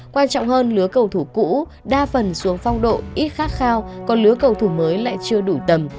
quan trọng hơn lứa cầu thủ cũ đa phần xuống phong độ ít khát khao còn lứa cầu thủ mới lại chưa đủ tầm